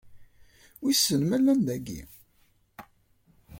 Wissen ma llant dagi?